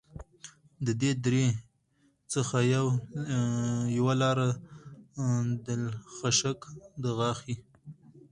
د دې درې څخه یوه لاره دلخشک دغاښي